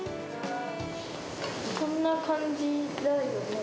こんな感じだよね。